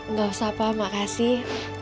nggak usah pak mak kasih